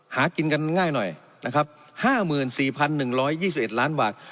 หากินกันง่ายหน่อยนะครับห้าหมื่นสี่พันหนึ่งร้อยยี่สิบเอ็ดล้านบาท